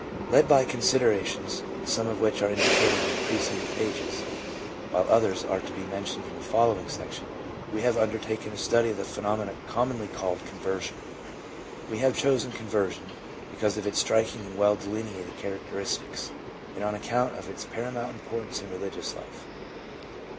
Led by considerations, some of which are indicated in the preceding pages, while others are to be mentioned in the fol lowing section, we have undertaken a study of the phenomenon commonly called ''Conversion." We have chosen conversion because of its striking and well delineated characteristics, and on account of its paramount importance in religious life.